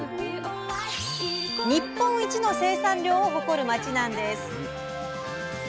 日本一の生産量を誇る町なんです。